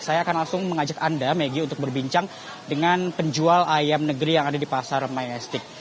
saya akan langsung mengajak anda megi untuk berbincang dengan penjual ayam negeri yang ada di pasar mayastik